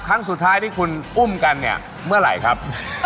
ครั้งสุดท้ายที่คุณอุ้มกันเนี่ยเมื่อไหร่ครับ